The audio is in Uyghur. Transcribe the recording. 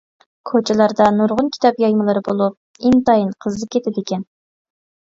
كوچىلاردا نۇرغۇن كىتاب يايمىلىرى بولۇپ، ئىنتايىن قىزىپ كېتىدىكەن.